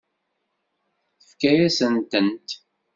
Tefka-yasent-tent.